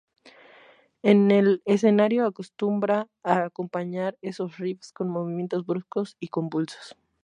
En el escenario acostumbra a acompañar esos riffs con movimientos bruscos y convulsos.